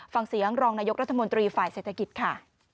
ฟังเสียงรองนายกรัฐมนตรีฝ่ายเศรษฐกิจค่ะ